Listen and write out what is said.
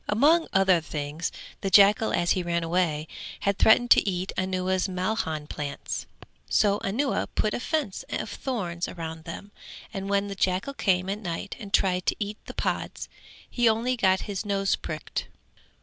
Among other things the jackal as he ran away, had threatened to eat Anuwa's malhan plants, so Anuwa put a fence of thorns round them and when the jackal came at night and tried to eat the pods he only got his nose pricked.